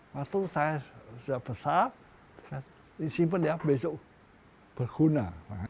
waktu saya sudah besar disimpan dia besok berguna